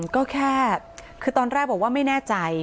ก็แค่คือตอนแรกบอกว่าไม่แน่ใจ